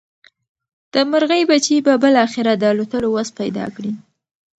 د مرغۍ بچي به بالاخره د الوتلو وس پیدا کړي.